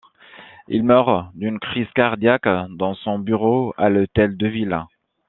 Il meurt d'une crise cardiaque dans son bureau à l'hôtel de ville.